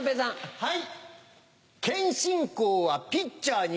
はい。